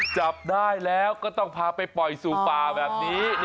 จับได้แล้วก็ต้องพาไปปล่อยสู่ป่าแบบนี้